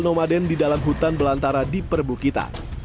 berumur lima belas tahun di dalam hutan belantara di perbukita